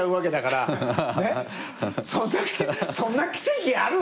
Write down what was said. そんなそんな奇跡ある！？